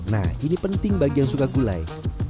nah ini penting bagi yang suka gulai